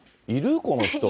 この人。